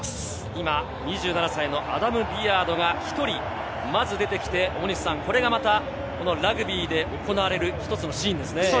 今２７歳のアダム・ビアードが１人まず出てきて、これがまたラグビーで行われる１人のシーンですね。